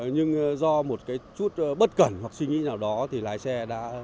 nhưng do một cái chút bất cẩn hoặc suy nghĩ nào đó thì lái xe đã